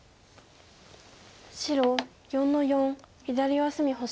白４の四左上隅星。